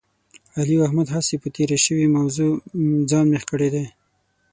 علي او احمد هسې په تېره شوې موضوع ځان مېخ کړی دی.